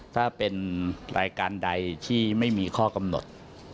ถ้าเป็นรายการใดที่ไม่มีข้อกำหนด